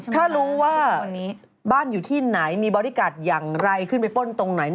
ถ้ารู้ว่าบ้านอยู่ที่ไหนมีบอดี้การ์ดอยู่อยู่อยู่ในไหน